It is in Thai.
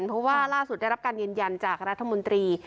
เพราะว่าล่าสุดได้รับการยืนยันจากรัฐมนตรี